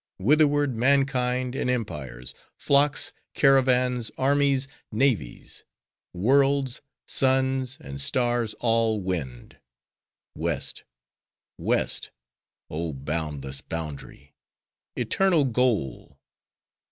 Whitherward mankind and empires—flocks, caravans, armies, navies; worlds, suns, and stars all wend!—West, West!—Oh boundless boundary! Eternal goal!